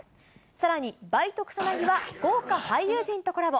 さらに、バイト草薙は、豪華俳優陣とコラボ。